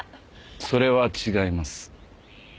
それは違います。